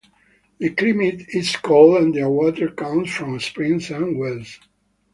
The climate is cold, and their water comes from springs and wells.